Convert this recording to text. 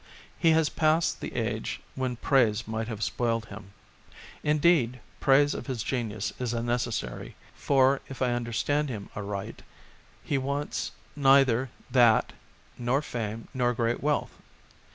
He has passed the age when praise might have spoiled him ; indeed, praise of his genius is unnecessary, for, if I understand him aright, he wants neither that nor fame nor great wealth.